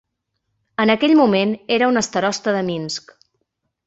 En aquell moment era un starosta de Minsk.